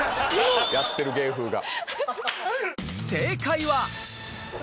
やってる芸風が。